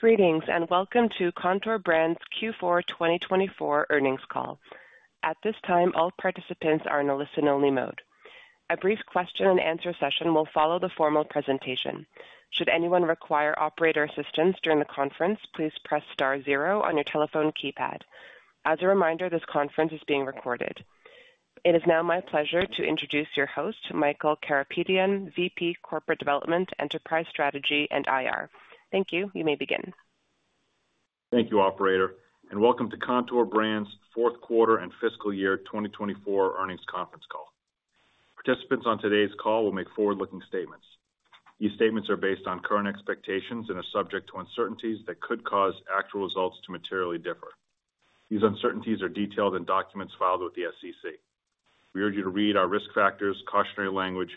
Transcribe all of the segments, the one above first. Greetings and welcome to Kontoor Brands Q4 2024 earnings call. At this time, all participants are in a listen-only mode. A brief question-and-answer session will follow the formal presentation. Should anyone require operator assistance during the conference, please press star zero on your telephone keypad. As a reminder, this conference is being recorded. It is now my pleasure to introduce your host, Michael Karapetian, VP Corporate Development, Enterprise Strategy, and IR. Thank you. You may begin. Thank you, Operator, and welcome to Kontoor Brands' fourth quarter and fiscal year 2024 earnings conference call. Participants on today's call will make forward-looking statements. These statements are based on current expectations and are subject to uncertainties that could cause actual results to materially differ. These uncertainties are detailed in documents filed with the SEC. We urge you to read our risk factors, cautionary language,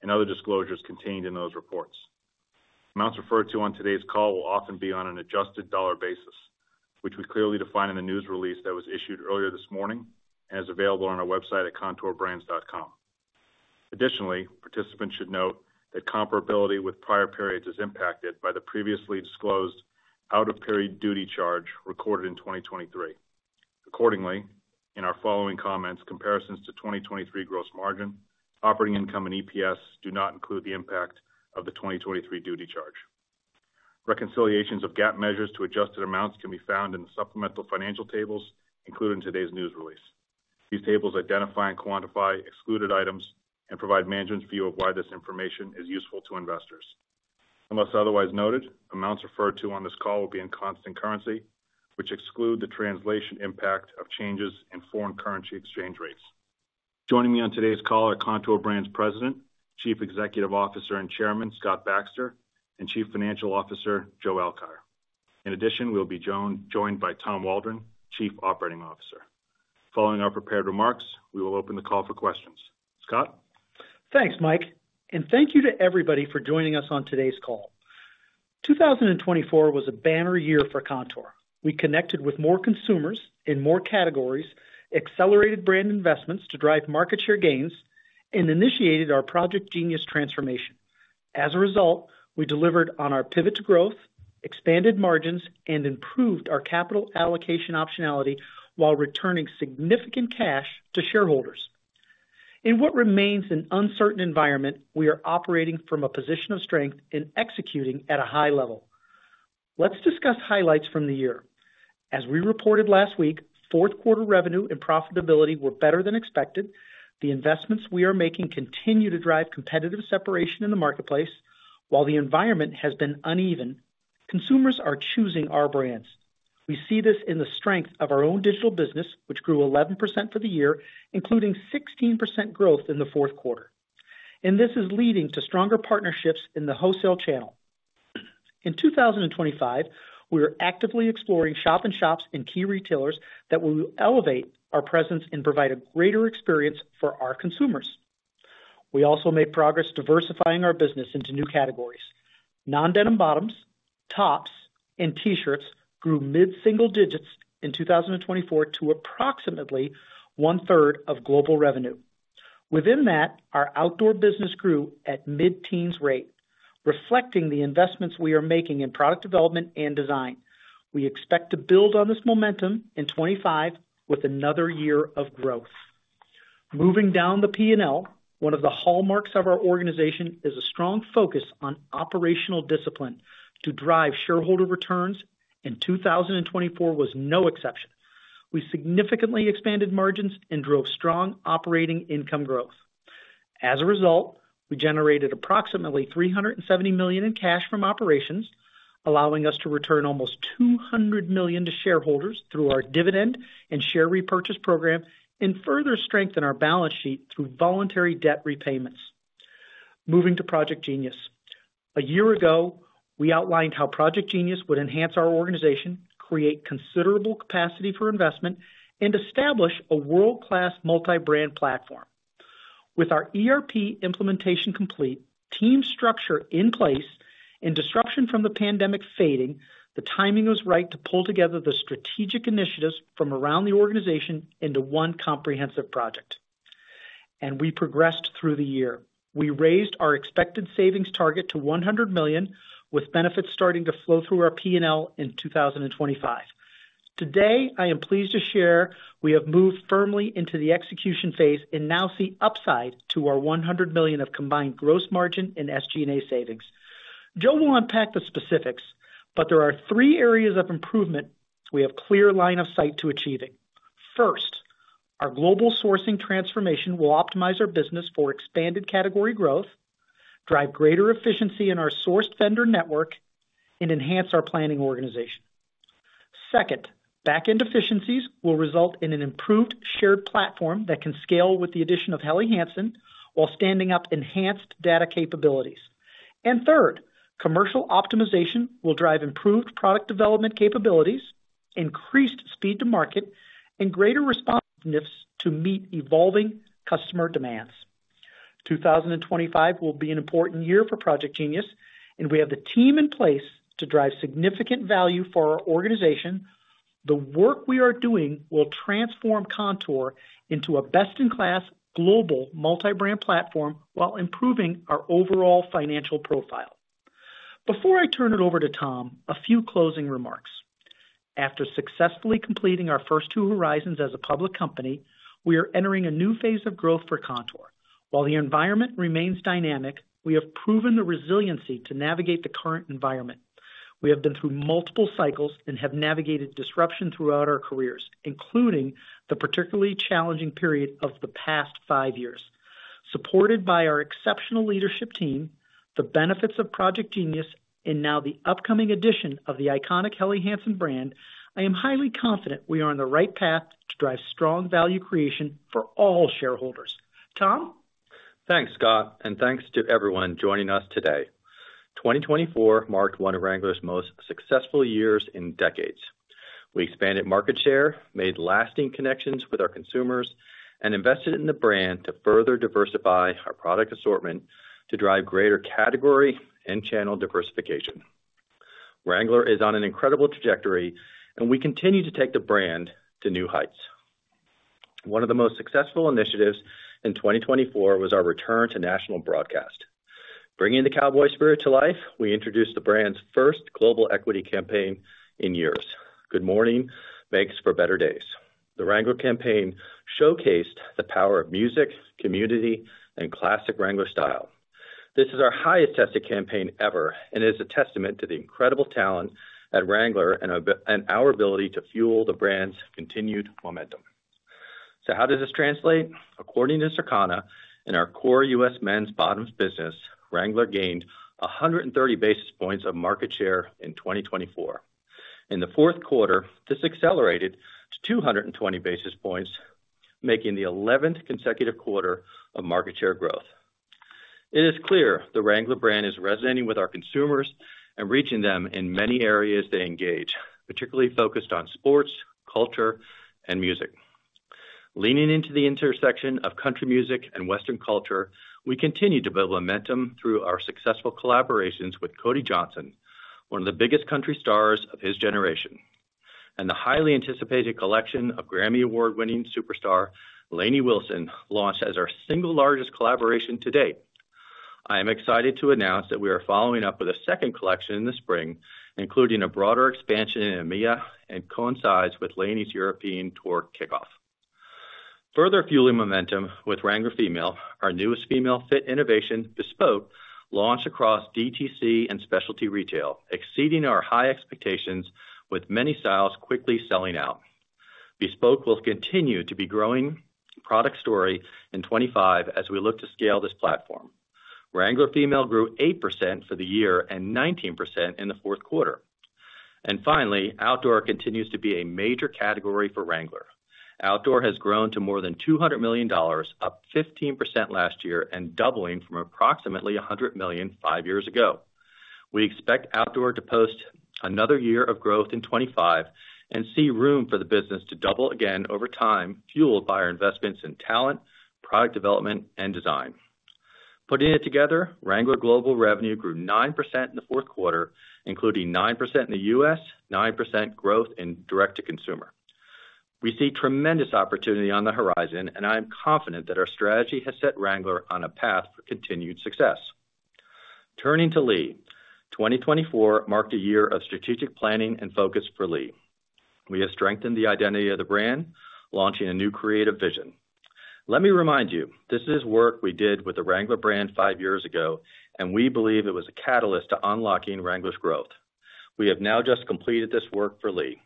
and other disclosures contained in those reports. Amounts referred to on today's call will often be on an adjusted dollar basis, which we clearly define in the news release that was issued earlier this morning and is available on our website at kontoorbrands.com. Additionally, participants should note that comparability with prior periods is impacted by the previously disclosed out-of-period duty charge recorded in 2023. Accordingly, in our following comments, comparisons to 2023 gross margin, operating income, and EPS do not include the impact of the 2023 duty charge. Reconciliations of GAAP measures to adjusted amounts can be found in the supplemental financial tables included in today's news release. These tables identify and quantify excluded items and provide management's view of why this information is useful to investors. Unless otherwise noted, amounts referred to on this call will be in constant currency, which exclude the translation impact of changes in foreign currency exchange rates. Joining me on today's call are Kontoor Brands President, Chief Executive Officer, and Chairman Scott Baxter, and Chief Financial Officer Joe Alkire. In addition, we'll be joined by Tom Waldron, Chief Operating Officer. Following our prepared remarks, we will open the call for questions. Scott? Thanks, Mike, and thank you to everybody for joining us on today's call. 2024 was a banner year for Kontoor. We connected with more consumers in more categories, accelerated brand investments to drive market share gains, and initiated our Project Genius transformation. As a result, we delivered on our pivot to growth, expanded margins, and improved our capital allocation optionality while returning significant cash to shareholders. In what remains an uncertain environment, we are operating from a position of strength and executing at a high level. Let's discuss highlights from the year. As we reported last week, fourth quarter revenue and profitability were better than expected. The investments we are making continue to drive competitive separation in the marketplace, while the environment has been uneven. Consumers are choosing our brands. We see this in the strength of our own digital business, which grew 11% for the year, including 16% growth in the fourth quarter, and this is leading to stronger partnerships in the wholesale channel. In 2025, we are actively exploring shop-in-shops and key retailers that will elevate our presence and provide a greater experience for our consumers. We also made progress diversifying our business into new categories. Non-denim bottoms, tops, and T-shirts grew mid-single digits in 2024 to approximately one-third of global revenue. Within that, our outdoor business grew at mid-teens rate, reflecting the investments we are making in product development and design. We expect to build on this momentum in 2025 with another year of growth. Moving down the P&L, one of the hallmarks of our organization is a strong focus on operational discipline to drive shareholder returns, and 2024 was no exception. We significantly expanded margins and drove strong operating income growth. As a result, we generated approximately $370 million in cash from operations, allowing us to return almost $200 million to shareholders through our dividend and share repurchase program and further strengthen our balance sheet through voluntary debt repayments. Moving to Project Genius. A year ago, we outlined how Project Genius would enhance our organization, create considerable capacity for investment, and establish a world-class multi-brand platform. With our ERP implementation complete, team structure in place, and disruption from the pandemic fading, the timing was right to pull together the strategic initiatives from around the organization into one comprehensive project. And we progressed through the year. We raised our expected savings target to $100 million, with benefits starting to flow through our P&L in 2025. Today, I am pleased to share we have moved firmly into the execution phase and now see upside to our $100 million of combined gross margin and SG&A savings. Joe will unpack the specifics, but there are three areas of improvement we have clear line of sight to achieving. First, our global sourcing transformation will optimize our business for expanded category growth, drive greater efficiency in our sourced vendor network, and enhance our planning organization. Second, back-end deficiencies will result in an improved shared platform that can scale with the addition of Helly Hansen while standing up enhanced data capabilities. And third, commercial optimization will drive improved product development capabilities, increased speed to market, and greater responsiveness to meet evolving customer demands. 2025 will be an important year for Project Genius, and we have the team in place to drive significant value for our organization. The work we are doing will transform Kontoor into a best-in-class global multi-brand platform while improving our overall financial profile. Before I turn it over to Tom, a few closing remarks. After successfully completing our first two horizons as a public company, we are entering a new phase of growth for Kontoor. While the environment remains dynamic, we have proven the resiliency to navigate the current environment. We have been through multiple cycles and have navigated disruption throughout our careers, including the particularly challenging period of the past five years. Supported by our exceptional leadership team, the benefits of Project Genius, and now the upcoming addition of the iconic Helly Hansen brand, I am highly confident we are on the right path to drive strong value creation for all shareholders. Tom? Thanks, Scott, and thanks to everyone joining us today. 2024 marked one of Wrangler's most successful years in decades. We expanded market share, made lasting connections with our consumers, and invested in the brand to further diversify our product assortment to drive greater category and channel diversification. Wrangler is on an incredible trajectory, and we continue to take the brand to new heights. One of the most successful initiatives in 2024 was our return to national broadcast. Bringing the cowboy spirit to life, we introduced the brand's first global equity campaign in years. Good morning, thanks for better days. The Wrangler campaign showcased the power of music, community, and classic Wrangler style. This is our highest-tested campaign ever and is a testament to the incredible talent at Wrangler and our ability to fuel the brand's continued momentum. So how does this translate? According to Circana, in our core U.S. men's bottoms business, Wrangler gained 130 basis points of market share in 2024. In the fourth quarter, this accelerated to 220 basis points, making the 11th consecutive quarter of market share growth. It is clear the Wrangler brand is resonating with our consumers and reaching them in many areas they engage, particularly focused on sports, culture, and music. Leaning into the intersection of country music and Western culture, we continue to build momentum through our successful collaborations with Cody Johnson, one of the biggest country stars of his generation, and the highly anticipated collection of Grammy Award-winning superstar Lainey Wilson, launched as our single largest collaboration to date. I am excited to announce that we are following up with a second collection in the spring, including a broader expansion in EMEA and coincides with Lainey's European tour kickoff. Further fueling momentum with Wrangler Female, our newest female fit innovation, Bespoke, launched across DTC and specialty retail, exceeding our high expectations with many styles quickly selling out. Bespoke will continue to be growing product story in 2025 as we look to scale this platform. Wrangler Female grew 8% for the year and 19% in the fourth quarter and finally, outdoor continues to be a major category for Wrangler. Outdoor has grown to more than $200 million, up 15% last year and doubling from approximately $100 million five years ago. We expect outdoor to post another year of growth in 2025 and see room for the business to double again over time, fueled by our investments in talent, product development, and design. Putting it together, Wrangler global revenue grew 9% in the fourth quarter, including 9% in the U.S., 9% growth in direct-to-consumer. We see tremendous opportunity on the horizon, and I am confident that our strategy has set Wrangler on a path for continued success. Turning to Lee, 2024 marked a year of strategic planning and focus for Lee. We have strengthened the identity of the brand, launching a new creative vision. Let me remind you, this is work we did with the Wrangler brand five years ago, and we believe it was a catalyst to unlocking Wrangler's growth. We have now just completed this work for Lee.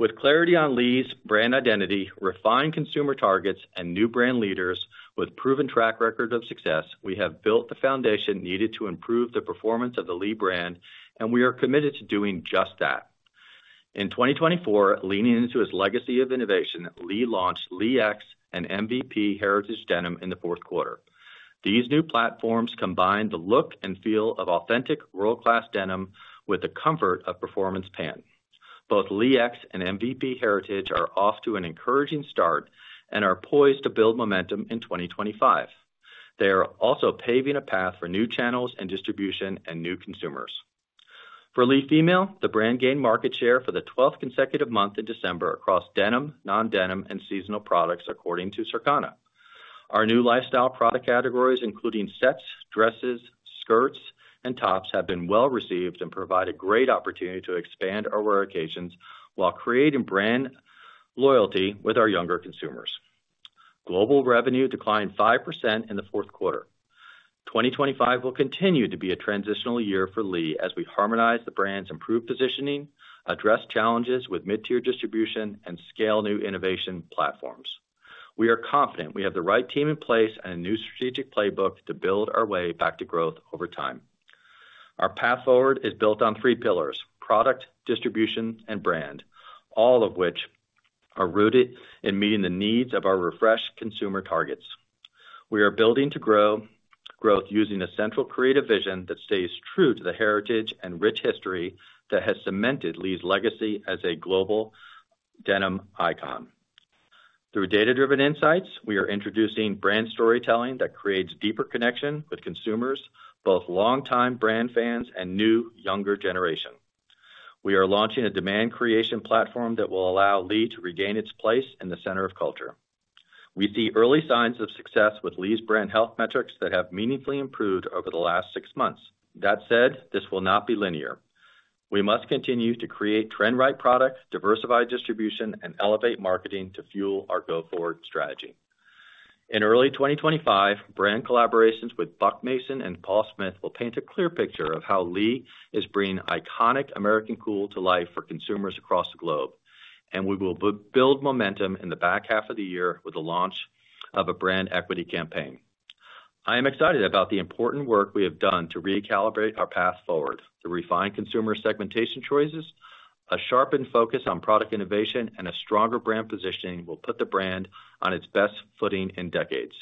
With clarity on Lee's brand identity, refined consumer targets, and new brand leaders with proven track record of success, we have built the foundation needed to improve the performance of the Lee brand, and we are committed to doing just that. In 2024, leaning into his legacy of innovation, Lee launched Lee X and MVP Heritage Denim in the fourth quarter. These new platforms combine the look and feel of authentic world-class denim with the comfort of performance pants. Both Lee X and MVP Heritage are off to an encouraging start and are poised to build momentum in 2025. They are also paving a path for new channels and distribution and new consumers. For Lee Female, the brand gained market share for the 12th consecutive month in December across denim, non-denim, and seasonal products, according to Circana. Our new lifestyle product categories, including sets, dresses, skirts, and tops, have been well received and provide a great opportunity to expand our wear occasions while creating brand loyalty with our younger consumers. Global revenue declined 5% in the fourth quarter. 2025 will continue to be a transitional year for Lee as we harmonize the brand's improved positioning, address challenges with mid-tier distribution, and scale new innovation platforms. We are confident we have the right team in place and a new strategic playbook to build our way back to growth over time. Our path forward is built on three pillars: product, distribution, and brand, all of which are rooted in meeting the needs of our refreshed consumer targets. We are building to grow growth using a central creative vision that stays true to the heritage and rich history that has cemented Lee's legacy as a global denim icon. Through data-driven insights, we are introducing brand storytelling that creates deeper connection with consumers, both long-time brand fans and new younger generation. We are launching a demand creation platform that will allow Lee to regain its place in the center of culture. We see early signs of success with Lee's brand health metrics that have meaningfully improved over the last six months. That said, this will not be linear. We must continue to create trend-right products, diversify distribution, and elevate marketing to fuel our go-forward strategy. In early 2025, brand collaborations with Buck Mason and Paul Smith will paint a clear picture of how Lee is bringing iconic American cool to life for consumers across the globe, and we will build momentum in the back half of the year with the launch of a brand equity campaign. I am excited about the important work we have done to recalibrate our path forward. The refined consumer segmentation choices, a sharpened focus on product innovation, and a stronger brand positioning will put the brand on its best footing in decades.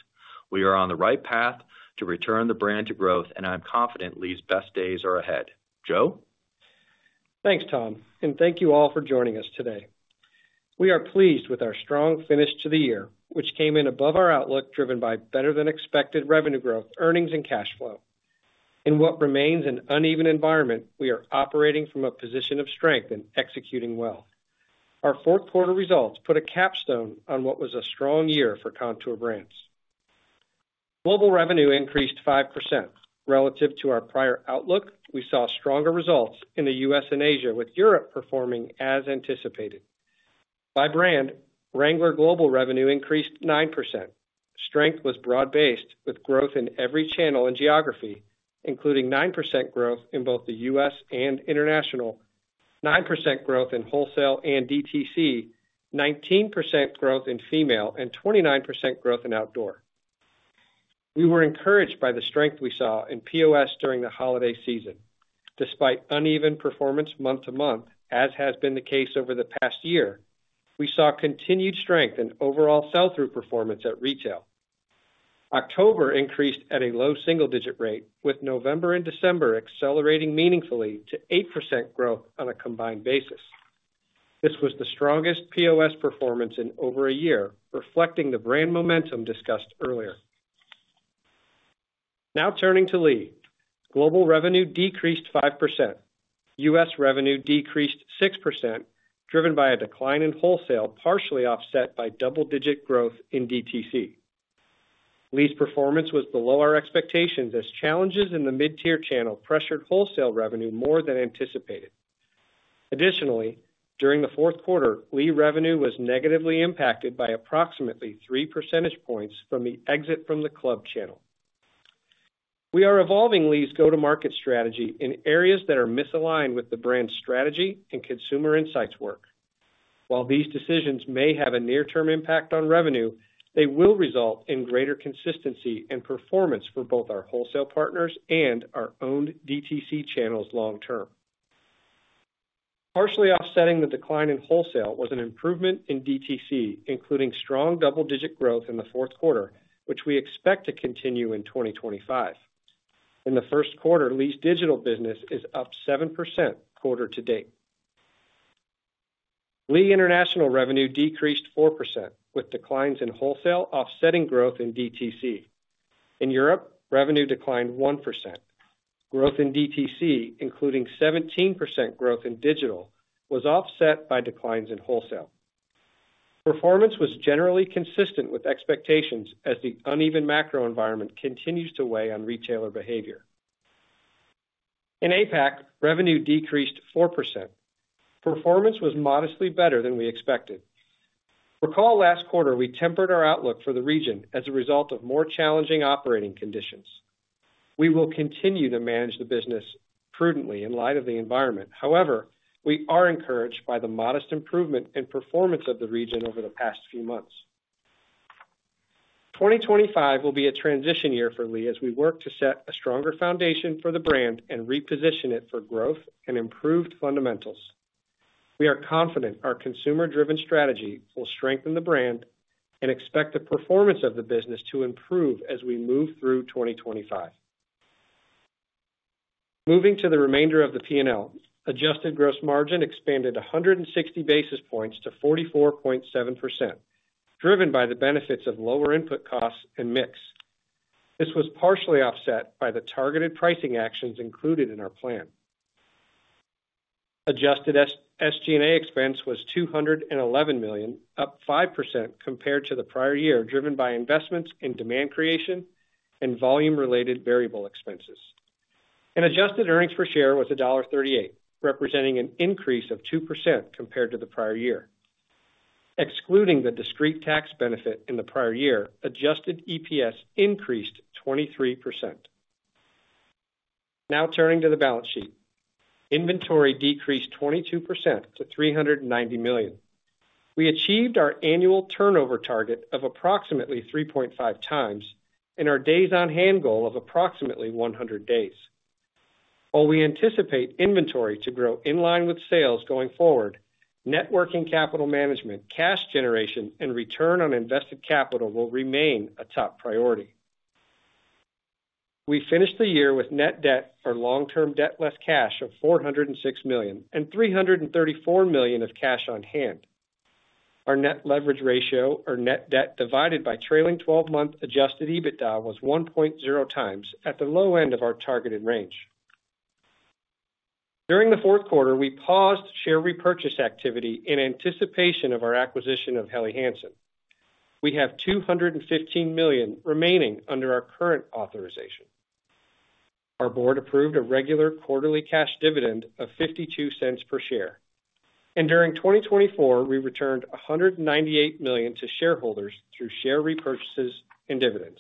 We are on the right path to return the brand to growth, and I'm confident Lee's best days are ahead. Joe? Thanks, Tom, and thank you all for joining us today. We are pleased with our strong finish to the year, which came in above our outlook, driven by better-than-expected revenue growth, earnings, and cash flow. In what remains an uneven environment, we are operating from a position of strength and executing well. Our fourth quarter results put a capstone on what was a strong year for Kontoor Brands. Global revenue increased 5%. Relative to our prior outlook, we saw stronger results in the U.S. and Asia, with Europe performing as anticipated. By brand, Wrangler global revenue increased 9%. Strength was broad-based, with growth in every channel and geography, including 9% growth in both the U.S. and international, 9% growth in wholesale and DTC, 19% growth in female, and 29% growth in outdoor. We were encouraged by the strength we saw in POS during the holiday season. Despite uneven performance month to month, as has been the case over the past year, we saw continued strength in overall sell-through performance at retail. October increased at a low single-digit rate, with November and December accelerating meaningfully to 8% growth on a combined basis. This was the strongest POS performance in over a year, reflecting the brand momentum discussed earlier. Now turning to Lee, global revenue decreased 5%. U.S. revenue decreased 6%, driven by a decline in wholesale, partially offset by double-digit growth in DTC. Lee's performance was below our expectations as challenges in the mid-tier channel pressured wholesale revenue more than anticipated. Additionally, during the fourth quarter, Lee revenue was negatively impacted by approximately 3 percentage points from the exit from the club channel. We are evolving Lee's go-to-market strategy in areas that are misaligned with the brand's strategy and consumer insights work. While these decisions may have a near-term impact on revenue, they will result in greater consistency and performance for both our wholesale partners and our own DTC channels long-term. Partially offsetting the decline in wholesale was an improvement in DTC, including strong double-digit growth in the fourth quarter, which we expect to continue in 2025. In the first quarter, Lee's digital business is up 7% quarter to date. Lee international revenue decreased 4%, with declines in wholesale offsetting growth in DTC. In Europe, revenue declined 1%. Growth in DTC, including 17% growth in digital, was offset by declines in wholesale. Performance was generally consistent with expectations as the uneven macro environment continues to weigh on retailer behavior. In APAC, revenue decreased 4%. Performance was modestly better than we expected. Recall last quarter, we tempered our outlook for the region as a result of more challenging operating conditions. We will continue to manage the business prudently in light of the environment. However, we are encouraged by the modest improvement in performance of the region over the past few months. 2025 will be a transition year for Lee as we work to set a stronger foundation for the brand and reposition it for growth and improved fundamentals. We are confident our consumer-driven strategy will strengthen the brand and expect the performance of the business to improve as we move through 2025. Moving to the remainder of the P&L, adjusted gross margin expanded 160 basis points to 44.7%, driven by the benefits of lower input costs and mix. This was partially offset by the targeted pricing actions included in our plan. Adjusted SG&A expense was $211 million, up 5% compared to the prior year, driven by investments in demand creation and volume-related variable expenses. Adjusted earnings per share was $1.38, representing an increase of 2% compared to the prior year. Excluding the discrete tax benefit in the prior year, adjusted EPS increased 23%. Now turning to the balance sheet, inventory decreased 22% to $390 million. We achieved our annual turnover target of approximately 3.5 times and our days on hand goal of approximately 100 days. While we anticipate inventory to grow in line with sales going forward, working capital management, cash generation, and return on invested capital will remain a top priority. We finished the year with net debt or long-term debt less cash of $406 million and $334 million of cash on hand. Our net leverage ratio, or net debt divided by trailing 12-month adjusted EBITDA, was 1.0 times at the low end of our targeted range. During the fourth quarter, we paused share repurchase activity in anticipation of our acquisition of Helly Hansen. We have $215 million remaining under our current authorization. Our board approved a regular quarterly cash dividend of $0.52 per share. During 2024, we returned $198 million to shareholders through share repurchases and dividends.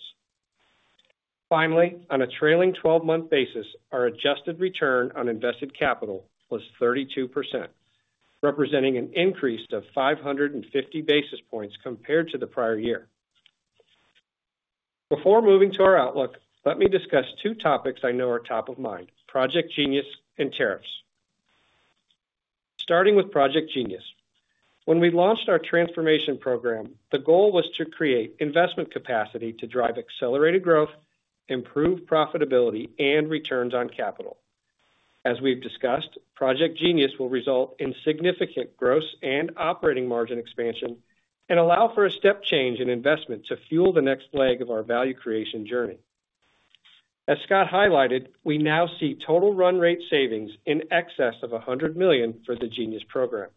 Finally, on a trailing 12-month basis, our adjusted return on invested capital was 32%, representing an increase of 550 basis points compared to the prior year. Before moving to our outlook, let me discuss two topics I know are top of mind: Project Genius and tariffs. Starting with Project Genius. When we launched our transformation program, the goal was to create investment capacity to drive accelerated growth, improve profitability, and returns on capital. As we've discussed, Project Genius will result in significant gross and operating margin expansion and allow for a step change in investment to fuel the next leg of our value creation journey. As Scott highlighted, we now see total run rate savings in excess of $100 million for the Genius program.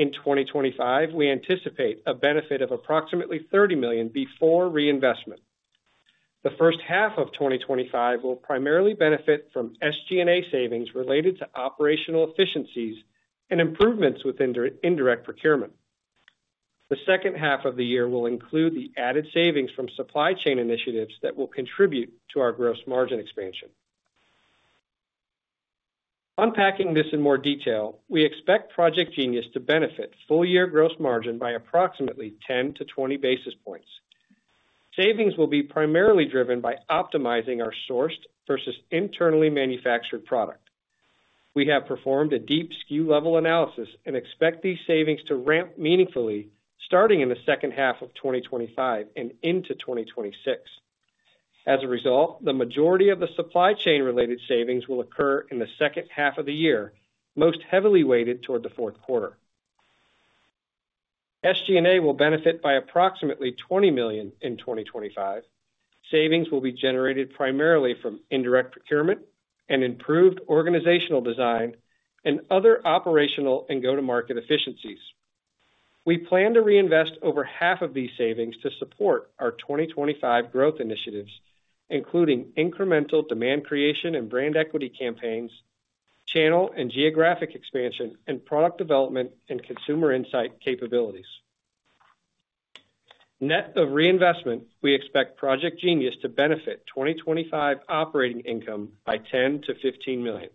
In 2025, we anticipate a benefit of approximately $30 million before reinvestment. The first half of 2025 will primarily benefit from SG&A savings related to operational efficiencies and improvements with indirect procurement. The second half of the year will include the added savings from supply chain initiatives that will contribute to our gross margin expansion. Unpacking this in more detail, we expect Project Genius to benefit full-year gross margin by approximately 10-20 basis points. Savings will be primarily driven by optimizing our sourced versus internally manufactured product. We have performed a deep SKU level analysis and expect these savings to ramp meaningfully starting in the second half of 2025 and into 2026. As a result, the majority of the supply chain-related savings will occur in the second half of the year, most heavily weighted toward the fourth quarter. SG&A will benefit by approximately $20 million in 2025. Savings will be generated primarily from indirect procurement and improved organizational design and other operational and go-to-market efficiencies. We plan to reinvest over half of these savings to support our 2025 growth initiatives, including incremental demand creation and brand equity campaigns, channel and geographic expansion, and product development and consumer insight capabilities. Net of reinvestment, we expect Project Genius to benefit 2025 operating income by $10-$15 million.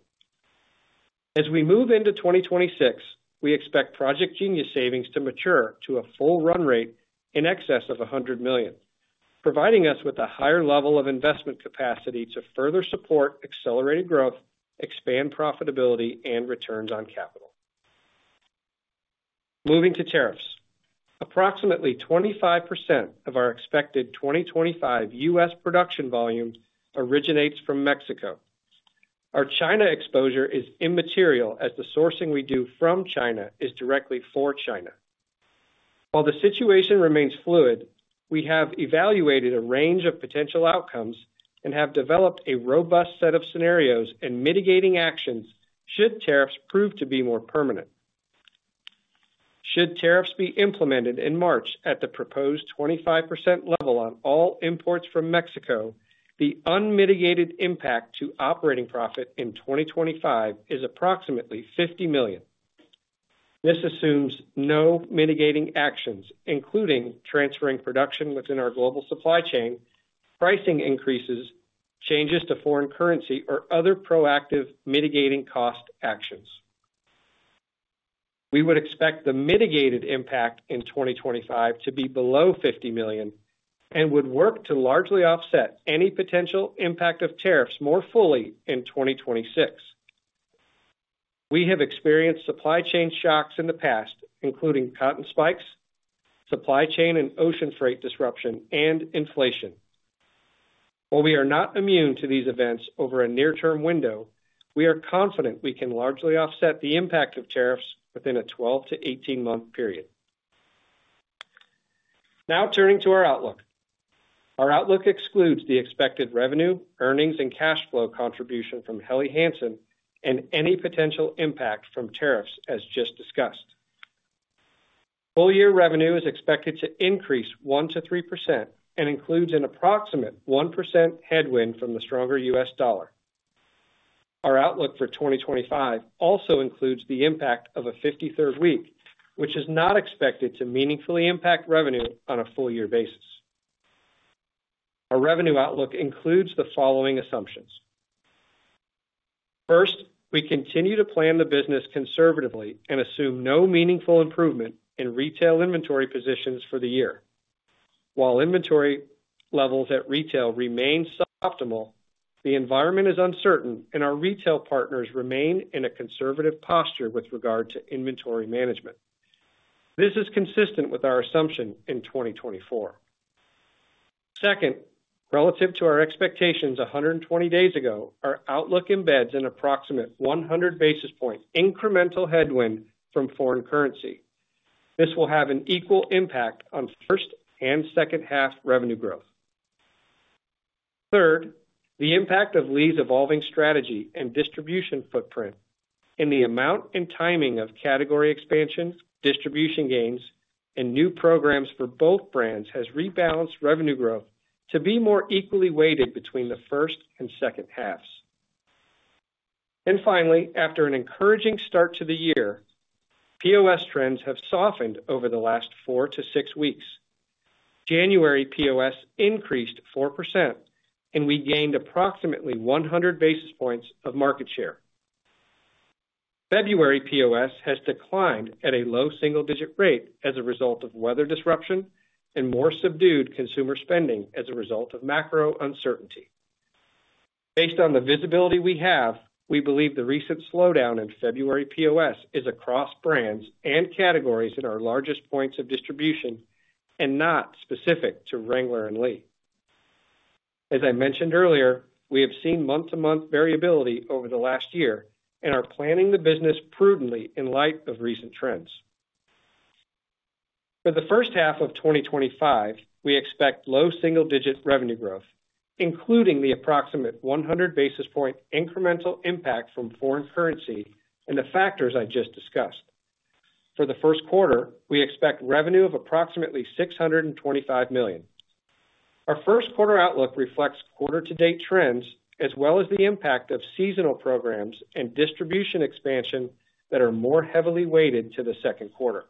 As we move into 2026, we expect Project Genius savings to mature to a full run rate in excess of $100 million, providing us with a higher level of investment capacity to further support accelerated growth, expand profitability, and returns on capital. Moving to tariffs. Approximately 25% of our expected 2025 U.S. production volume originates from Mexico. Our China exposure is immaterial as the sourcing we do from China is directly for China. While the situation remains fluid, we have evaluated a range of potential outcomes and have developed a robust set of scenarios and mitigating actions should tariffs prove to be more permanent. Should tariffs be implemented in March at the proposed 25% level on all imports from Mexico, the unmitigated impact to operating profit in 2025 is approximately $50 million. This assumes no mitigating actions, including transferring production within our global supply chain, pricing increases, changes to foreign currency, or other proactive mitigating cost actions. We would expect the mitigated impact in 2025 to be below $50 million and would work to largely offset any potential impact of tariffs more fully in 2026. We have experienced supply chain shocks in the past, including cotton spikes, supply chain and ocean freight disruption, and inflation. While we are not immune to these events over a near-term window, we are confident we can largely offset the impact of tariffs within a 12- to 18-month period. Now turning to our outlook. Our outlook excludes the expected revenue, earnings, and cash flow contribution from Helly Hansen and any potential impact from tariffs, as just discussed. Full-year revenue is expected to increase 1%-3% and includes an approximate 1% headwind from the stronger U.S. dollar. Our outlook for 2025 also includes the impact of a 53rd week, which is not expected to meaningfully impact revenue on a full-year basis. Our revenue outlook includes the following assumptions. First, we continue to plan the business conservatively and assume no meaningful improvement in retail inventory positions for the year. While inventory levels at retail remain suboptimal, the environment is uncertain, and our retail partners remain in a conservative posture with regard to inventory management. This is consistent with our assumption in 2024. Second, relative to our expectations 120 days ago, our outlook embeds an approximate 100 basis point incremental headwind from foreign currency. This will have an equal impact on first and second half revenue growth. Third, the impact of Lee's evolving strategy and distribution footprint in the amount and timing of category expansions, distribution gains, and new programs for both brands has rebalanced revenue growth to be more equally weighted between the first and second halves, and finally, after an encouraging start to the year, POS trends have softened over the last four to six weeks. January POS increased 4%, and we gained approximately 100 basis points of market share. February POS has declined at a low single-digit rate as a result of weather disruption and more subdued consumer spending as a result of macro uncertainty. Based on the visibility we have, we believe the recent slowdown in February POS is across brands and categories in our largest points of distribution and not specific to Wrangler and Lee. As I mentioned earlier, we have seen month-to-month variability over the last year and are planning the business prudently in light of recent trends. For the first half of 2025, we expect low single-digit revenue growth, including the approximate 100 basis point incremental impact from foreign currency and the factors I just discussed. For the first quarter, we expect revenue of approximately $625 million. Our first quarter outlook reflects quarter-to-date trends as well as the impact of seasonal programs and distribution expansion that are more heavily weighted to the second quarter.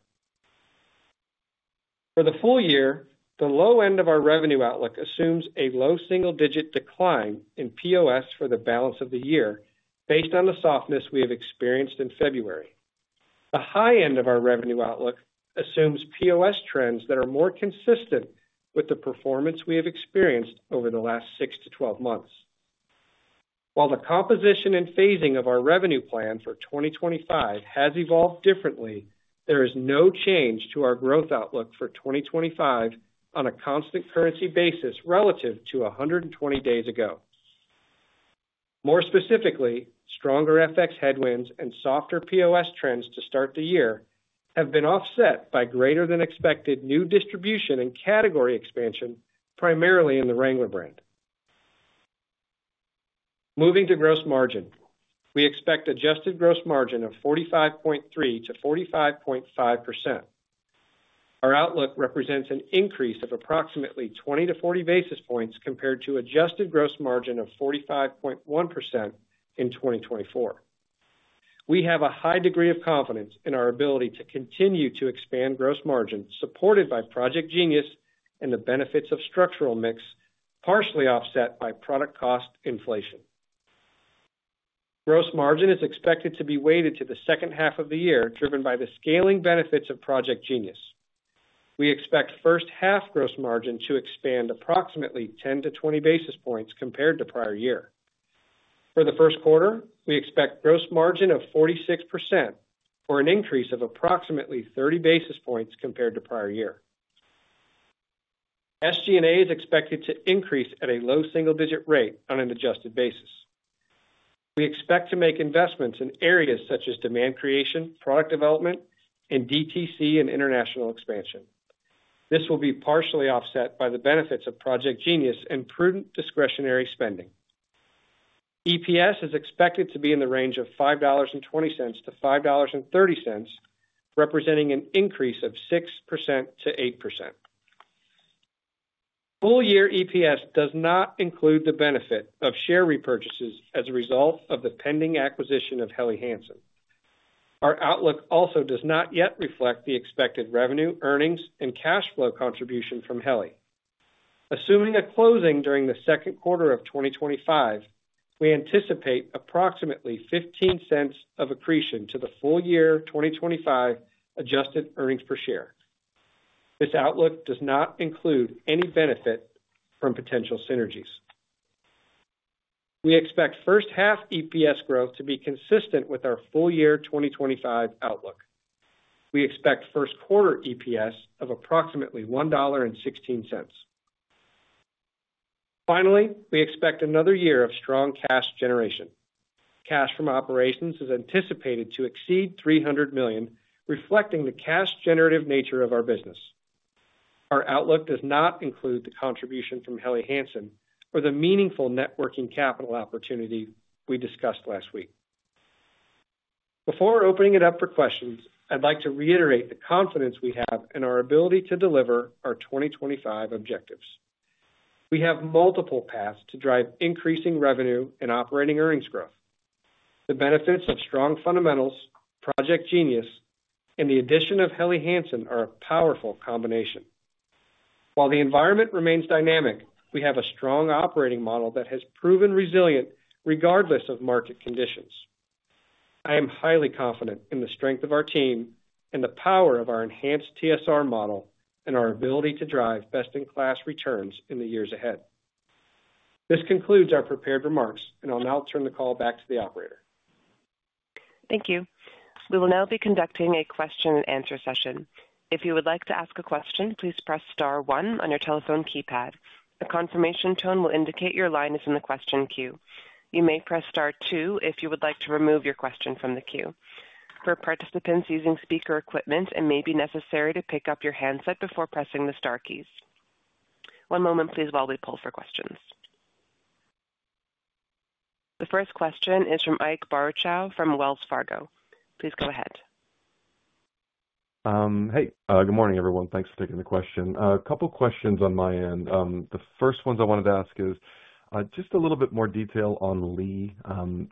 For the full year, the low end of our revenue outlook assumes a low single-digit decline in POS for the balance of the year based on the softness we have experienced in February. The high end of our revenue outlook assumes POS trends that are more consistent with the performance we have experienced over the last 6 to 12 months. While the composition and phasing of our revenue plan for 2025 has evolved differently, there is no change to our growth outlook for 2025 on a constant currency basis relative to 120 days ago. More specifically, stronger FX headwinds and softer POS trends to start the year have been offset by greater-than-expected new distribution and category expansion, primarily in the Wrangler brand. Moving to gross margin, we expect adjusted gross margin of 45.3-45.5%. Our outlook represents an increase of approximately 20-40 basis points compared to adjusted gross margin of 45.1% in 2024. We have a high degree of confidence in our ability to continue to expand Gross Margin supported by Project Genius and the benefits of structural mix, partially offset by product cost inflation. Gross Margin is expected to be weighted to the second half of the year, driven by the scaling benefits of Project Genius. We expect first half Gross Margin to expand approximately 10 to 20 basis points compared to prior year. For the first quarter, we expect Gross Margin of 46%, for an increase of approximately 30 basis points compared to prior year. SG&A is expected to increase at a low single-digit rate on an adjusted basis. We expect to make investments in areas such as demand creation, product development, and DTC and international expansion. This will be partially offset by the benefits of Project Genius and prudent discretionary spending. EPS is expected to be in the range of $5.20-$5.30, representing an increase of 6%-8%. Full-year EPS does not include the benefit of share repurchases as a result of the pending acquisition of Helly Hansen. Our outlook also does not yet reflect the expected revenue, earnings, and cash flow contribution from Helly Hansen. Assuming a closing during the second quarter of 2025, we anticipate approximately $0.15 of accretion to the full-year 2025 adjusted earnings per share. This outlook does not include any benefit from potential synergies. We expect first half EPS growth to be consistent with our full-year 2025 outlook. We expect first quarter EPS of approximately $1.16. Finally, we expect another year of strong cash generation. Cash from operations is anticipated to exceed $300 million, reflecting the cash-generative nature of our business. Our outlook does not include the contribution from Helly Hansen or the meaningful working capital opportunity we discussed last week. Before opening it up for questions, I'd like to reiterate the confidence we have in our ability to deliver our 2025 objectives. We have multiple paths to drive increasing revenue and operating earnings growth. The benefits of strong fundamentals, Project Genius, and the addition of Helly Hansen are a powerful combination. While the environment remains dynamic, we have a strong operating model that has proven resilient regardless of market conditions. I am highly confident in the strength of our team and the power of our enhanced TSR model and our ability to drive best-in-class returns in the years ahead. This concludes our prepared remarks, and I'll now turn the call back to the operator. Thank you. We will now be conducting a question-and-answer session. If you would like to ask a question, please press Star 1 on your telephone keypad. The confirmation tone will indicate your line is in the question queue. You may press Star 2 if you would like to remove your question from the queue. For participants using speaker equipment, it may be necessary to pick up your handset before pressing the Star keys. One moment, please, while we poll for questions. The first question is from Ike Boruchow from Wells Fargo. Please go ahead. Hey, good morning, everyone. Thanks for taking the question. A couple of questions on my end. The first ones I wanted to ask is just a little bit more detail on Lee.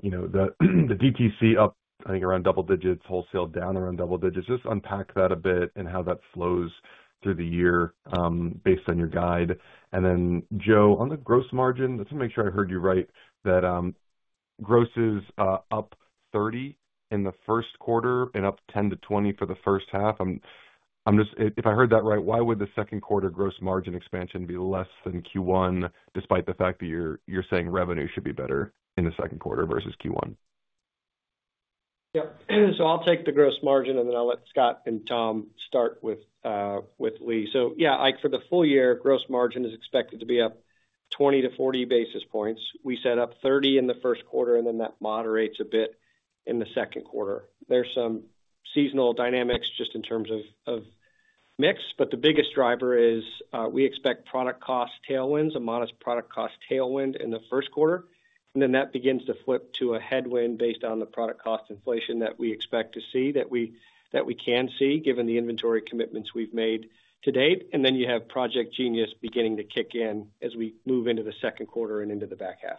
You know, the DTC up, I think, around double digits, wholesale down around double digits. Just unpack that a bit and how that flows through the year based on your guide. And then, Joe, on the gross margin, let's make sure I heard you right, that gross is up 30 in the first quarter and up 10 to 20 for the first half. I'm just, if I heard that right, why would the second quarter gross margin expansion be less than Q1, despite the fact that you're saying revenue should be better in the second quarter versus Q1? Yep. So I'll take the gross margin, and then I'll let Scott and Tom start with Lee. So, yeah, I think for the full year, gross margin is expected to be up 20 to 40 basis points. We set up 30 in the first quarter, and then that moderates a bit in the second quarter. There's some seasonal dynamics just in terms of mix, but the biggest driver is we expect product cost tailwinds, a modest product cost tailwind in the first quarter, and then that begins to flip to a headwind based on the product cost inflation that we expect to see, that we can see given the inventory commitments we've made to date, and then you have Project Genius beginning to kick in as we move into the second quarter and into the back half.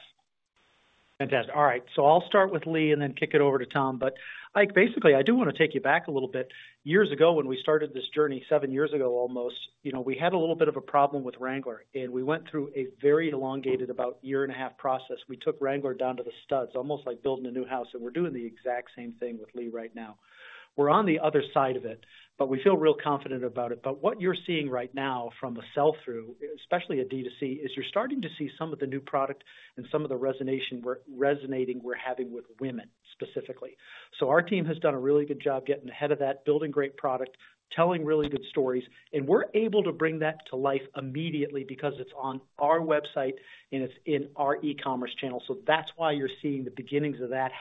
Fantastic. All right, so I'll start with Lee and then kick it over to Tom, but, Ike, basically, I do want to take you back a little bit. Years ago, when we started this journey, seven years ago almost, you know, we had a little bit of a problem with Wrangler, and we went through a very elongated, about year-and-a-half process. We took Wrangler down to the studs, almost like building a new house, and we're doing the exact same thing with Lee right now. We're on the other side of it, but we feel real confident about it, but what you're seeing right now from a sell-through, especially at DTC, is you're starting to see some of the new product and some of the resonance we're having with women specifically, so our team has done a really good job getting ahead of that, building great product, telling really good stories, and we're able to bring that to life immediately because it's on our website and it's in our e-commerce channel, so that's why you're seeing the beginnings of that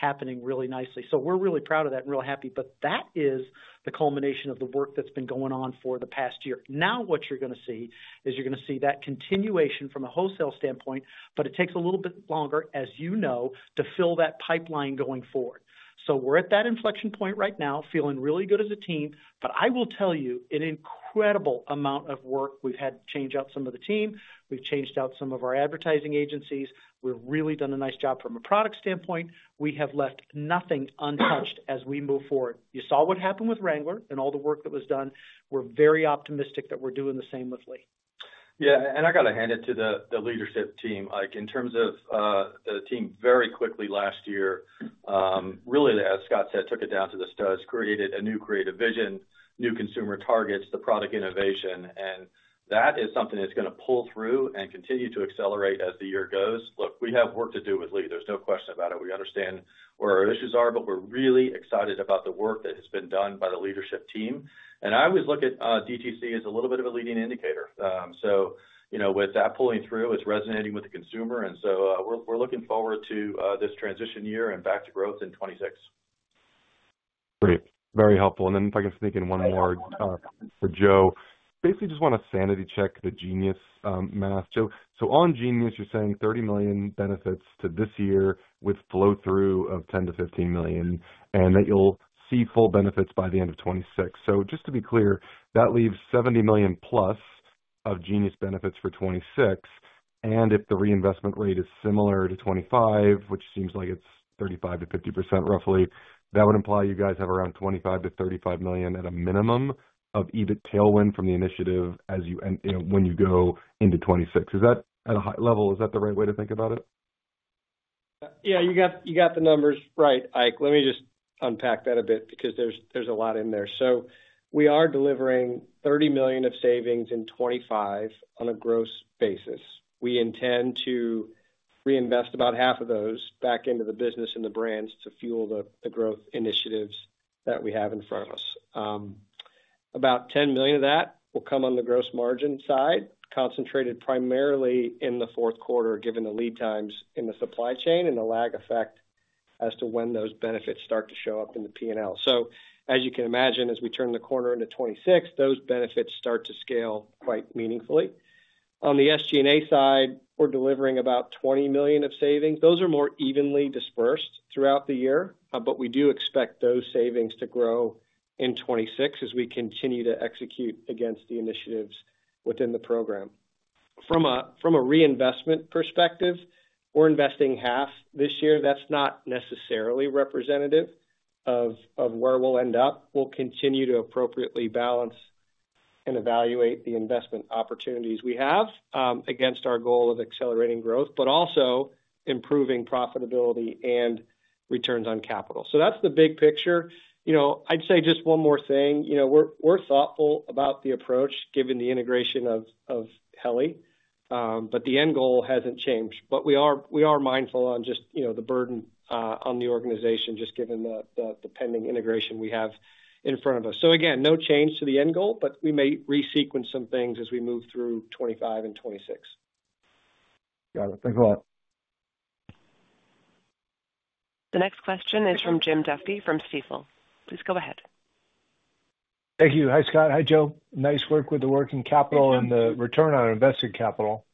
happening really nicely, so we're really proud of that and real happy, but that is the culmination of the work that's been going on for the past year. Now, what you're going to see is that continuation from a wholesale standpoint, but it takes a little bit longer, as you know, to fill that pipeline going forward. So we're at that inflection point right now, feeling really good as a team, but I will tell you an incredible amount of work. We've had to change out some of the team. We've changed out some of our advertising agencies. We've really done a nice job from a product standpoint. We have left nothing untouched as we move forward. You saw what happened with Wrangler and all the work that was done. We're very optimistic that we're doing the same with Lee. Yeah, and I got to hand it to the leadership team. Like, in terms of the team very quickly last year, really, as Scott said, took it down to the studs, created a new creative vision, new consumer targets, the product innovation, and that is something that's going to pull through and continue to accelerate as the year goes. Look, we have work to do with Lee. There's no question about it. We understand where our issues are, but we're really excited about the work that has been done by the leadership team, and I always look at DTC as a little bit of a leading indicator. So, you know, with that pulling through, it's resonating with the consumer, and so we're looking forward to this transition year and back to growth in 2026. Great. Very helpful, and then if I can sneak in one more for Joe, basically just want to sanity check the Genius math. So on Project Genius, you're saying $30 million benefits to this year with flow-through of $10-$15 million, and that you'll see full benefits by the end of 2026. So just to be clear, that leaves $70 million plus of Project Genius benefits for 2026. And if the reinvestment rate is similar to 2025, which seems like it's 35%-50% roughly, that would imply you guys have around $25-$35 million at a minimum of EBIT tailwind from the initiative as you when you go into 2026. Is that at a high level? Is that the right way to think about it? Yeah. You got the numbers right, Ike. Let me just unpack that a bit because there's a lot in there. So we are delivering $30 million of savings in 2025 on a gross basis. We intend to reinvest about half of those back into the business and the brands to fuel the growth initiatives that we have in front of us. About $10 million of that will come on the gross margin side, concentrated primarily in the fourth quarter, given the lead times in the supply chain and the lag effect as to when those benefits start to show up in the P&L. So as you can imagine, as we turn the corner into 2026, those benefits start to scale quite meaningfully. On the SG&A side, we're delivering about $20 million of savings. Those are more evenly dispersed throughout the year, but we do expect those savings to grow in 2026 as we continue to execute against the initiatives within the program. From a reinvestment perspective, we're investing half this year. That's not necessarily representative of where we'll end up. We'll continue to appropriately balance and evaluate the investment opportunities we have against our goal of accelerating growth, but also improving profitability and returns on capital. So that's the big picture. You know, I'd say just one more thing. You know, we're thoughtful about the approach given the integration of Helly, but the end goal hasn't changed. But we are mindful on just, you know, the burden on the organization just given the pending integration we have in front of us. So again, no change to the end goal, but we may re-sequence some things as we move through 2025 and 2026. Got it. Thanks a lot. The next question is from Jim Duffy from Stifel. Please go ahead. Thank you. Hi, Scott. Hi, Joe. Nice work with the working capital and the return on invested capital.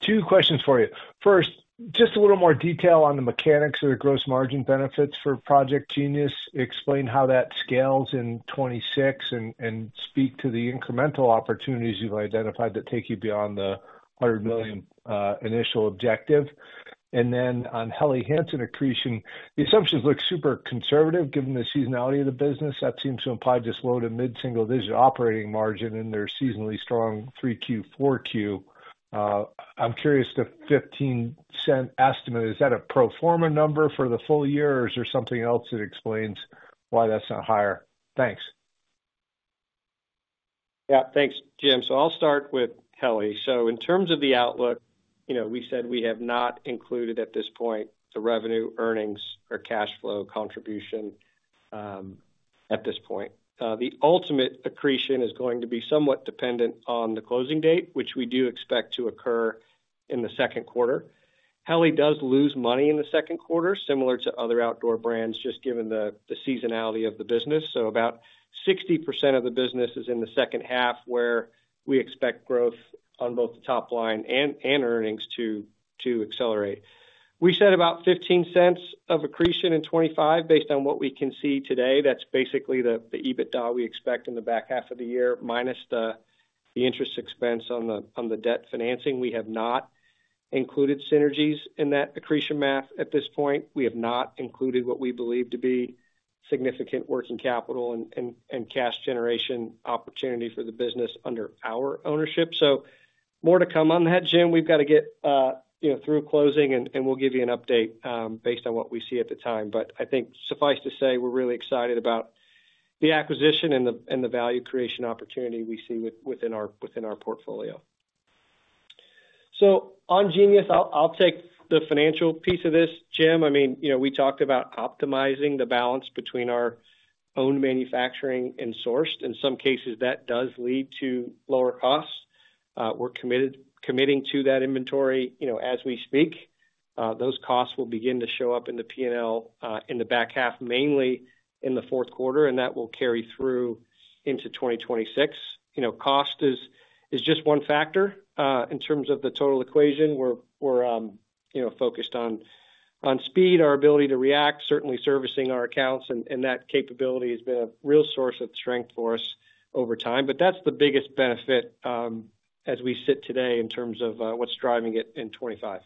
Two questions for you. First, just a little more detail on the mechanics of the gross margin benefits for Project Genius. Explain how that scales in 2026 and speak to the incremental opportunities you've identified that take you beyond the $100 million initial objective. And then on Helly Hansen accretion, the assumptions look super conservative given the seasonality of the business. That seems to imply just low- to mid-single-digit operating margin and their seasonally strong 3Q, 4Q. I'm curious, the $0.15 estimate, is that a pro forma number for the full year, or is there something else that explains why that's not higher? Thanks. Yeah. Thanks, Jim. So I'll start with Helly. So in terms of the outlook, you know, we said we have not included at this point the revenue, earnings, or cash flow contribution at this point. The ultimate accretion is going to be somewhat dependent on the closing date, which we do expect to occur in the second quarter. Helly does lose money in the second quarter, similar to other outdoor brands, just given the seasonality of the business. So about 60% of the business is in the second half, where we expect growth on both the top line and earnings to accelerate. We said about $0.15 of accretion in 2025 based on what we can see today. That's basically the EBITDA we expect in the back half of the year, minus the interest expense on the debt financing. We have not included synergies in that accretion math at this point. We have not included what we believe to be significant working capital and cash generation opportunity for the business under our ownership. So more to come on that, Jim. We've got to get, you know, through closing, and we'll give you an update based on what we see at the time. But I think suffice to say, we're really excited about the acquisition and the value creation opportunity we see within our portfolio. So on Genius, I'll take the financial piece of this. Jim, I mean, you know, we talked about optimizing the balance between our own manufacturing and sourced. In some cases, that does lead to lower costs. We're committing to that inventory, you know, as we speak. Those costs will begin to show up in the P&L in the back half, mainly in the fourth quarter, and that will carry through into 2026. You know, cost is just one factor in terms of the total equation. We're, you know, focused on speed, our ability to react, certainly servicing our accounts, and that capability has been a real source of strength for us over time. But that's the biggest benefit as we sit today in terms of what's driving it in 2025.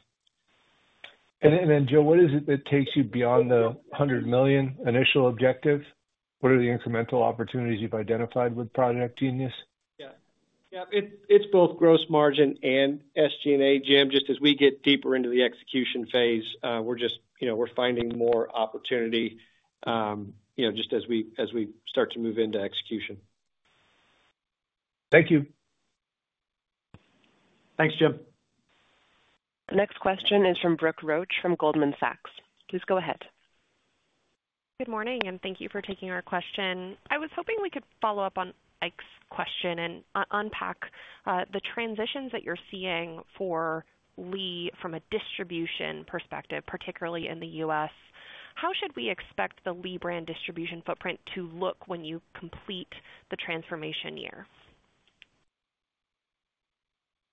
And then, Joe, what is it that takes you beyond the $100 million initial objective? What are the incremental opportunities you've identified with Project Genius? Yeah. Yeah. It's both gross margin and SG&A. Jim, just as we get deeper into the execution phase, we're just, you know, we're finding more opportunity, you know, just as we start to move into execution. Thank you. Thanks, Jim. The next question is from Brooke Roach from Goldman Sachs. Please go ahead. Good morning, and thank you for taking our question. I was hoping we could follow up on Ike's question and unpack the transitions that you're seeing for Lee from a distribution perspective, particularly in the U.S. How should we expect the Lee brand distribution footprint to look when you complete the transformation year?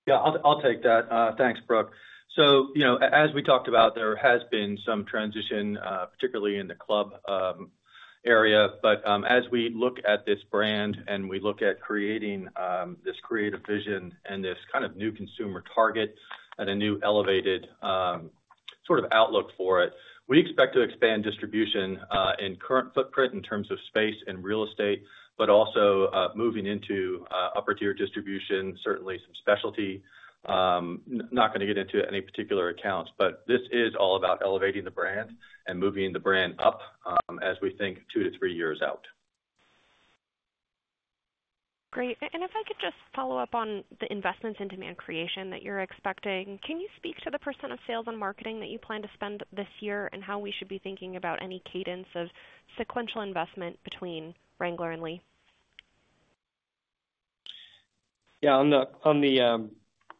Yeah. I'll take that. Thanks, Brooke. So, you know, as we talked about, there has been some transition, particularly in the club area. But as we look at this brand and we look at creating this creative vision and this kind of new consumer target and a new elevated sort of outlook for it, we expect to expand distribution in current footprint in terms of space and real estate, but also moving into upper-tier distribution, certainly some specialty. Not going to get into any particular accounts, but this is all about elevating the brand and moving the brand up as we think two to three years out Great.And if I could just follow up on the investments in demand creation that you're expecting, can you speak to the percent of sales and marketing that you plan to spend this year and how we should be thinking about any cadence of sequential investment between Wrangler and Lee? Yeah. On the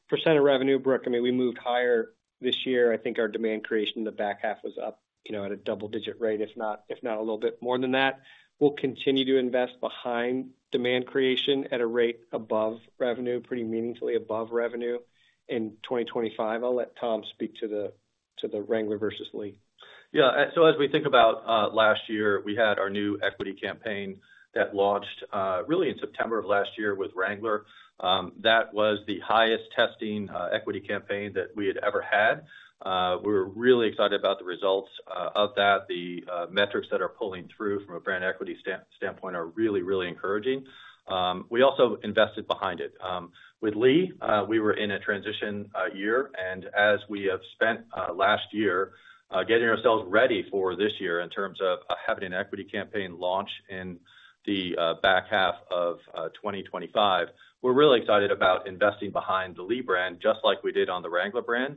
percent of revenue, Brooke, I mean, we moved higher this year. I think our demand creation in the back half was up, you know, at a double-digit rate, if not a little bit more than that. We'll continue to invest behind demand creation at a rate above revenue, pretty meaningfully above revenue in 2025. I'll let Tom speak to the Wrangler versus Lee. Yeah. So as we think about last year, we had our new equity campaign that launched really in September of last year with Wrangler. That was the highest testing equity campaign that we had ever had. We were really excited about the results of that. The metrics that are pulling through from a brand equity standpoint are really, really encouraging. We also invested behind it. With Lee, we were in a transition year, and as we have spent last year getting ourselves ready for this year in terms of having an equity campaign launch in the back half of 2025, we're really excited about investing behind the Lee brand, just like we did on the Wrangler brand.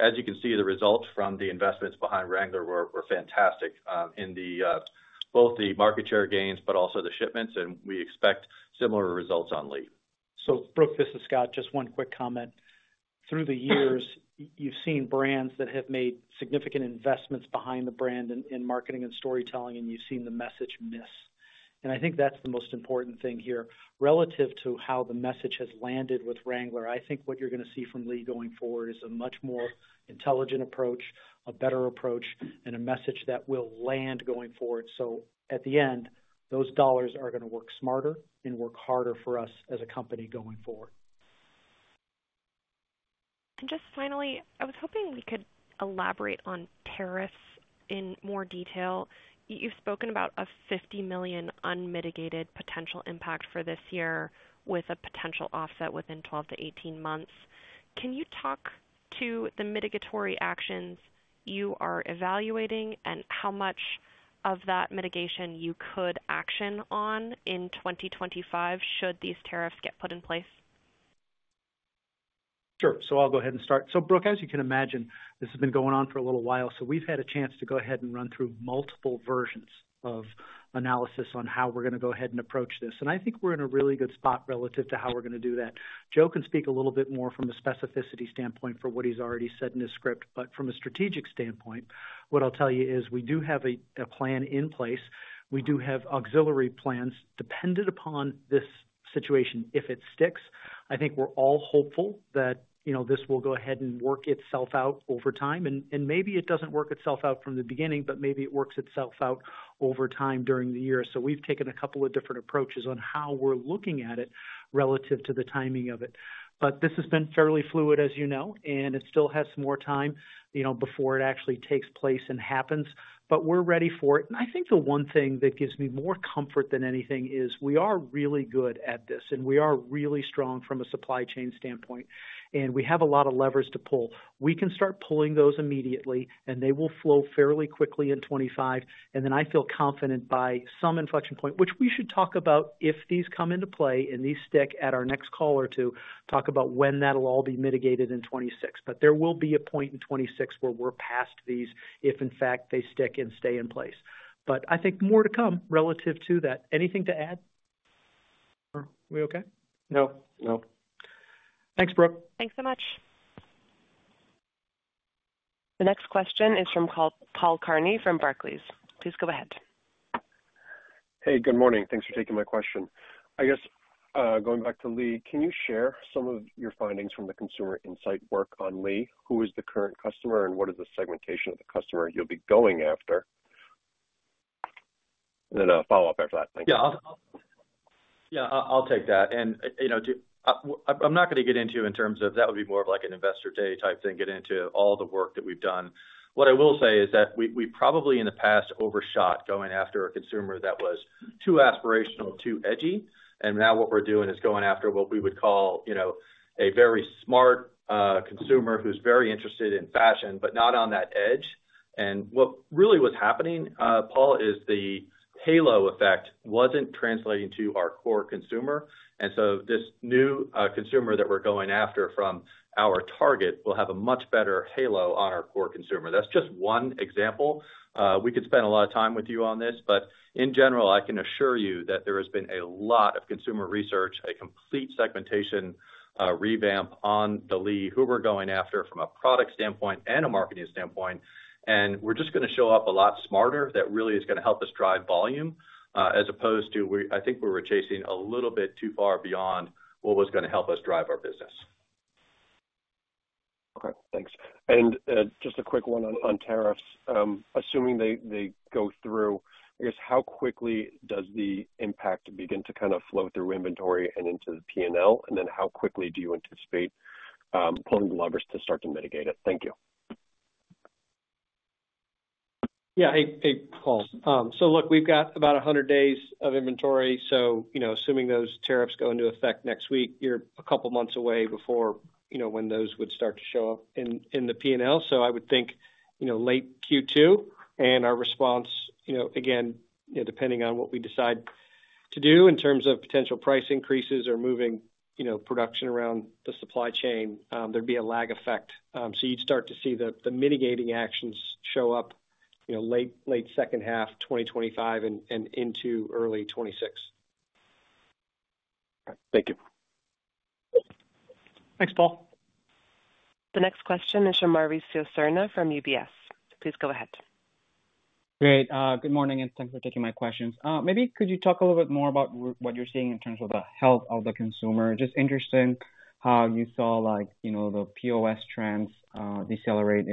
As you can see, the results from the investments behind Wrangler were fantastic in both the market share gains, but also the shipments, and we expect similar results on Lee. Brooke, this is Scott. Just one quick comment. Through the years, you've seen brands that have made significant investments behind the brand in marketing and storytelling, and you've seen the message miss. I think that's the most important thing here. Relative to how the message has landed with Wrangler, I think what you're going to see from Lee going forward is a much more intelligent approach, a better approach, and a message that will land going forward. At the end, those dollars are going to work smarter and work harder for us as a company going forward. Just finally, I was hoping we could elaborate on tariffs in more detail. You've spoken about a $50 million unmitigated potential impact for this year with a potential offset within 12-18 months. Can you talk to the mitigating actions you are evaluating and how much of that mitigation you could action on in 2025 should these tariffs get put in place? Sure. I'll go ahead and start. Brooke, as you can imagine, this has been going on for a little while. We've had a chance to go ahead and run through multiple versions of analysis on how we're going to go ahead and approach this. I think we're in a really good spot relative to how we're going to do that. Joe can speak a little bit more from a specificity standpoint for what he's already said in his script. From a strategic standpoint, what I'll tell you is we do have a plan in place. We do have auxiliary plans dependent upon this situation if it sticks. I think we're all hopeful that, you know, this will go ahead and work itself out over time. And maybe it doesn't work itself out from the beginning, but maybe it works itself out over time during the year. So we've taken a couple of different approaches on how we're looking at it relative to the timing of it. But this has been fairly fluid, as you know, and it still has some more time, you know, before it actually takes place and happens. But we're ready for it. And I think the one thing that gives me more comfort than anything is we are really good at this, and we are really strong from a supply chain standpoint, and we have a lot of levers to pull. We can start pulling those immediately, and they will flow fairly quickly in 2025. And then I feel confident by some inflection point, which we should talk about if these come into play and these stick at our next call or two, talk about when that'll all be mitigated in 2026. But there will be a point in 2026 where we're past these if, in fact, they stick and stay in place. But I think more to come relative to that. Anything to add? Are we okay? No. No. Thanks, Brooke. Thanks so much. The next question is from Paul Kearney from Barclays. Please go ahead. Hey, good morning. Thanks for taking my question. I guess going back to Lee, can you share some of your findings from the consumer insight work on Lee? Who is the current customer, and what is the segmentation of the customer you'll be going after? And then I'll follow up after that. Thank you. Yeah. Yeah. I'll take that. And, you know, I'm not going to get into in terms of that would be more of like an investor day type thing, get into all the work that we've done. What I will say is that we probably in the past overshot going after a consumer that was too aspirational, too edgy. And now what we're doing is going after what we would call, you know, a very smart consumer who's very interested in fashion, but not on that edge. And what really was happening, Paul, is the halo effect wasn't translating to our core consumer. And so this new consumer that we're going after from our target will have a much better halo on our core consumer. That's just one example. We could spend a lot of time with you on this, but in general, I can assure you that there has been a lot of consumer research, a complete segmentation revamp on the Lee, who we're going after from a product standpoint and a marketing standpoint. And we're just going to show up a lot smarter that really is going to help us drive volume as opposed to, I think we were chasing a little bit too far beyond what was going to help us drive our business. Okay. Thanks. And just a quick one on tariffs. Assuming they go through, I guess, how quickly does the impact begin to kind of flow through inventory and into the P&L? And then how quickly do you anticipate pulling the levers to start to mitigate it? Thank you. Yeah. Hey, Paul. So, look, we've got about 100 days of inventory. So, you know, assuming those tariffs go into effect next week, you're a couple months away before, you know, when those would start to show up in the P&L. So I would think, you know, late Q2 and our response, you know, again, you know, depending on what we decide to do in terms of potential price increases or moving, you know, production around the supply chain, there'd be a lag effect. So you'd start to see the mitigating actions show up, you know, late second half 2025 and into early 2026. Thank you. Thanks, Paul. The next question is from Mauricio Serna from UBS. Please go ahead. Great. Good morning, and thanks for taking my questions. Maybe could you talk a little bit more about what you're seeing in terms of the health of the consumer? Just interested in how you saw, like, you know, the POS trends decelerate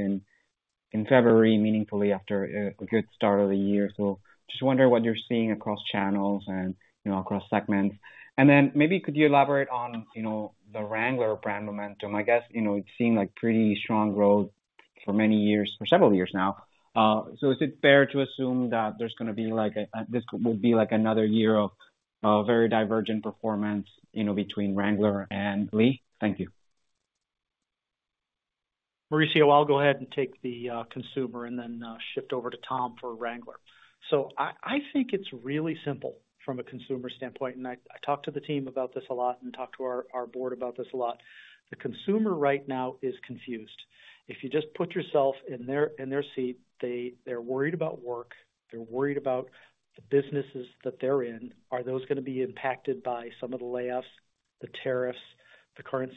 in February meaningfully after a good start of the year. So just wondering what you're seeing across channels and, you know, across segments. And then maybe could you elaborate on, you know, the Wrangler brand momentum? I guess, you know, it seemed like pretty strong growth for many years, for several years now. So is it fair to assume that there's going to be like a, this would be like another year of very divergent performance, you know, between Wrangler and Lee? Thank you. Mauricio, I'll go ahead and take the consumer and then shift over to Tom for Wrangler. So I think it's really simple from a consumer standpoint. And I talked to the team about this a lot and talked to our board about this a lot. The consumer right now is confused. If you just put yourself in their seat, they're worried about work. They're worried about the businesses that they're in. Are those going to be impacted by some of the layoffs, the tariffs, the current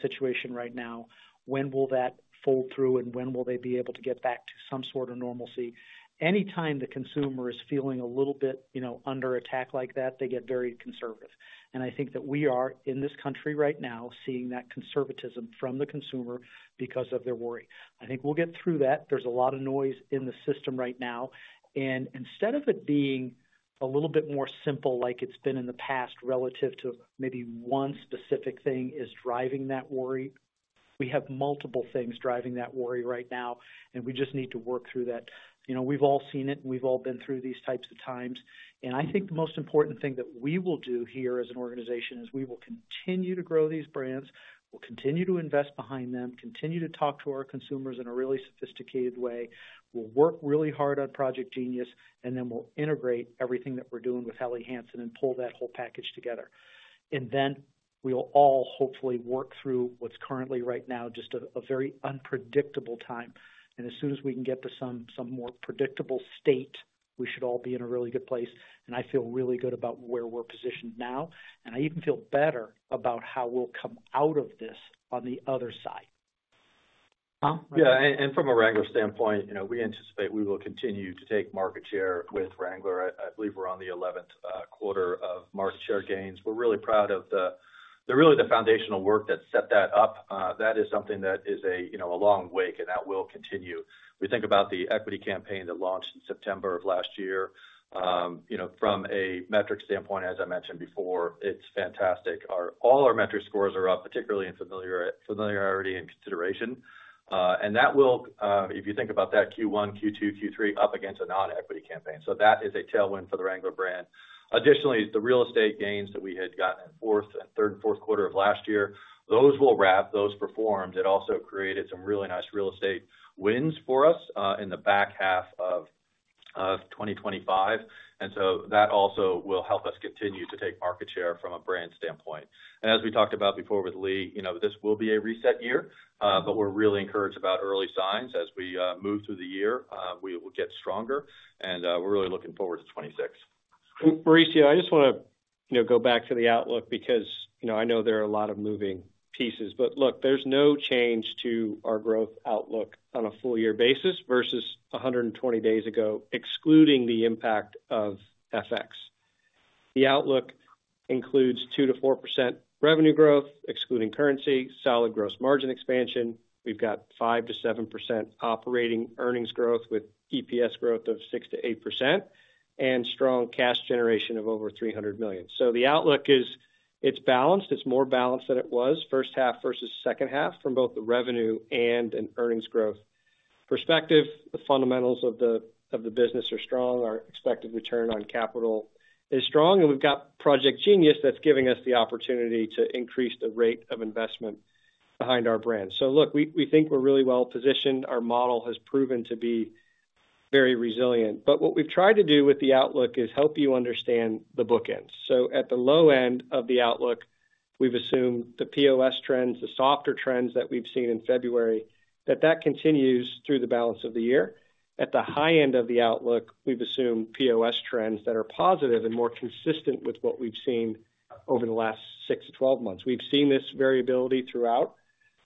situation right now? When will that flow through, and when will they be able to get back to some sort of normalcy? Anytime the consumer is feeling a little bit, you know, under attack like that, they get very conservative. And I think that we are in this country right now seeing that conservatism from the consumer because of their worry. I think we'll get through that. There's a lot of noise in the system right now. And instead of it being a little bit more simple like it's been in the past relative to maybe one specific thing is driving that worry, we have multiple things driving that worry right now, and we just need to work through that. You know, we've all seen it, and we've all been through these types of times. And I think the most important thing that we will do here as an organization is we will continue to grow these brands, we'll continue to invest behind them, continue to talk to our consumers in a really sophisticated way, we'll work really hard on Project Genius, and then we'll integrate everything that we're doing with Helly Hansen and pull that whole package together. And then we'll all hopefully work through what's currently right now, just a very unpredictable time. As soon as we can get to some more predictable state, we should all be in a really good place. I feel really good about where we're positioned now. I even feel better about how we'll come out of this on the other side. Yeah. From a Wrangler standpoint, you know, we anticipate we will continue to take market share with Wrangler. I believe we're on the 11th quarter of market share gains. We're really proud of really the foundational work that set that up. That is something that is, you know, a long wake, and that will continue. We think about the equity campaign that launched in September of last year. You know, from a metric standpoint, as I mentioned before, it's fantastic. All our metric scores are up, particularly in familiarity and consideration. That will, if you think about that Q1, Q2, Q3 up against a non-equity campaign. That is a tailwind for the Wrangler brand. Additionally, the real estate gains that we had gotten in fourth and third and fourth quarter of last year, those will wrap, those performed. It also created some really nice real estate wins for us in the back half of 2025. That also will help us continue to take market share from a brand standpoint. As we talked about before with Lee, you know, this will be a reset year, but we're really encouraged about early signs as we move through the year. We will get stronger, and we're really looking forward to 2026. Mauricio, I just want to, you know, go back to the outlook because, you know, I know there are a lot of moving pieces. Look, there's no change to our growth outlook on a full year basis versus 120 days ago, excluding the impact of FX. The outlook includes 2%-4% revenue growth, excluding currency, solid gross margin expansion. We've got 5%-7% operating earnings growth with EPS growth of 6%-8% and strong cash generation of over $300 million. So the outlook is balanced. It's more balanced than it was first half versus second half from both the revenue and an earnings growth perspective. The fundamentals of the business are strong. Our expected return on capital is strong. We've got Project Genius that's giving us the opportunity to increase the rate of investment behind our brand. Look, we think we're really well positioned. Our model has proven to be very resilient. But what we've tried to do with the outlook is help you understand the bookends. So at the low end of the outlook, we've assumed the POS trends, the softer trends that we've seen in February, that that continues through the balance of the year. At the high end of the outlook, we've assumed POS trends that are positive and more consistent with what we've seen over the last six to 12 months. We've seen this variability throughout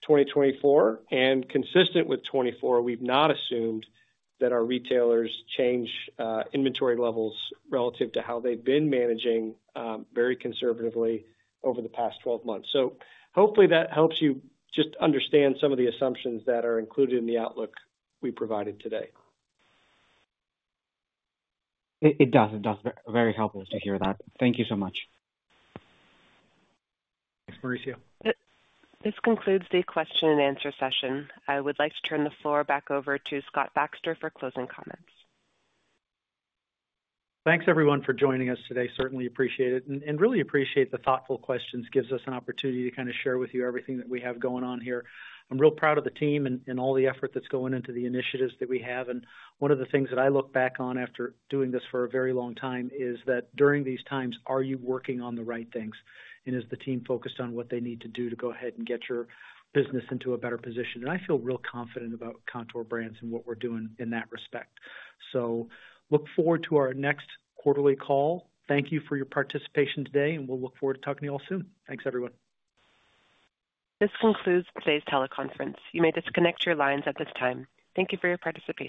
2024. And consistent with 2024, we've not assumed that our retailers change inventory levels relative to how they've been managing very conservatively over the past 12 months. So hopefully that helps you just understand some of the assumptions that are included in the outlook we provided today. It does. It does. Very helpful to hear that. Thank you so much. Thanks, Mauricio. This concludes the question and answer session. I would like to turn the floor back over to Scott Baxter for closing comments. Thanks, everyone, for joining us today. Certainly appreciate it. And really appreciate the thoughtful questions. Gives us an opportunity to kind of share with you everything that we have going on here. I'm real proud of the team and all the effort that's going into the initiatives that we have. And one of the things that I look back on after doing this for a very long time is that during these times, are you working on the right things? And is the team focused on what they need to do to go ahead and get your business into a better position? And I feel real confident about Kontoor Brands and what we're doing in that respect. So, I look forward to our next quarterly call. Thank you for your participation today, and we'll look forward to talking to you all soon. Thanks, everyone. This concludes today's teleconference. You may disconnect your lines at this time. Thank you for your participation.